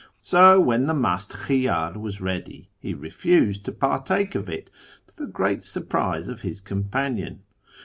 So wlien the nu'ist kliiyAr was ready, he refused to partake of it, to the great surprise of his companion.